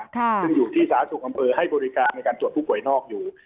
ซึ่งอยู่ที่สาธารณสุขอำเภอให้บริการในการตรวจผู้ป่วยนอกอยู่